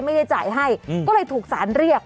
ไม่ได้จ่ายให้ก็เลยถูกสารเรียก